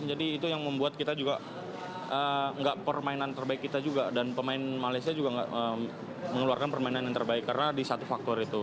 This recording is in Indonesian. jadi itu yang membuat kita juga gak permainan terbaik kita juga dan pemain malaysia juga gak mengeluarkan permainan yang terbaik karena di satu faktor itu